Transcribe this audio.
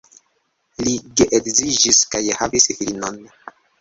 Li geedziĝis kaj havis filinon.